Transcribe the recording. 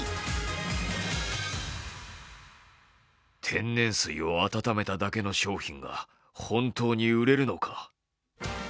天然水を温めだけの商品が本当に売れるのか？